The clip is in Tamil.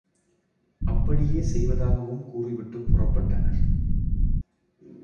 அப்படியே செய்வதாகவும் கூறிவிட்டுப் புறப்பட்டனர்.